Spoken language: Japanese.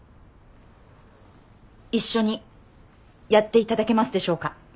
一緒にやっていただけますでしょうか？